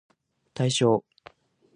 対象